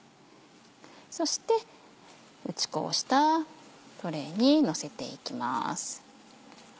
そして打ち粉をしたトレーにのせていきます。